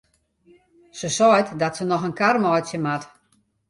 Se seit dat se noch in kar meitsje moat.